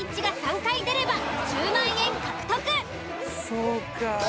そうか。